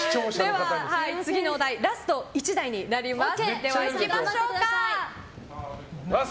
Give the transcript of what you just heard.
では次のお題ラスト１題になります。